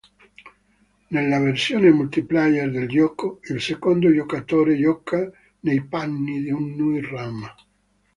Nella versione multiplayer del gioco, il secondo giocatore gioca nei panni di un Nui-Rama.